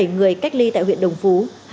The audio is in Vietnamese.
chín mươi bảy người cách ly tại huyện đồng phú